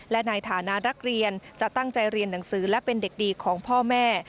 และในฐานะนักเรียนจะตั้งใจเรียนหนังสือและเป็นเด็กดีของพ่อแม่